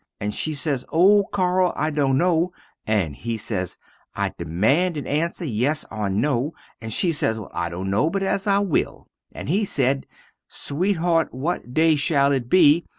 and she sez, o Carl I dunno, and he sez, I demand an answer yes or no, and she sez well I dunno but as I will, and he sed, sweatheart what day shall it be?